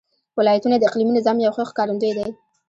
ولایتونه د اقلیمي نظام یو ښه ښکارندوی دی.